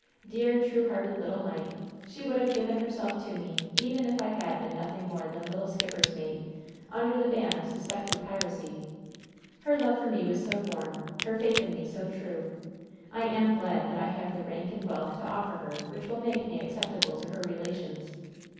Dear, true hearted little mite ! She would have given herself to me even if I had been nothing more than a little skip per's mate, under the ban of suspected piracy ! Her love for me was so warm — ^her faith in me so true — ^I am glad that I have the rank and wealth to offer her which will make me acceptable to her relations.